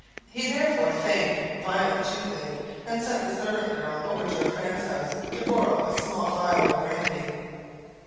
He therefore feigned violent toothache, and sent the servant girl over to a friend's house to borrow a small phial of brandy.